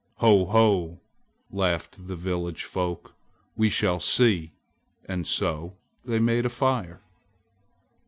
"Ho ho!" laughed the village folk. "We shall see." And so they made a fire.